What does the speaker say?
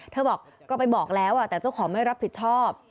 บอกก็ไปบอกแล้วแต่เจ้าของไม่รับผิดชอบ